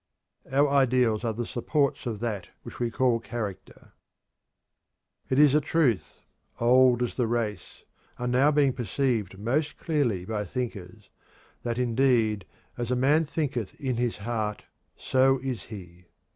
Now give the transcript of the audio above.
Our ideals are the supports of that which we call character. It is a truth, old as the race, and now being perceived most clearly by thinkers, that indeed "as a man thinketh in his heart so is he."